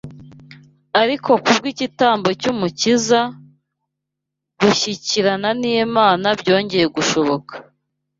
Ariko kubw’igitambo cy’Umukiza, gushyikirana n’Imana byongeye gushoboka